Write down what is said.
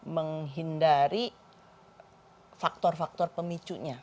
menghindari faktor faktor pemicunya